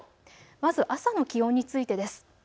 まず朝の気温についてです。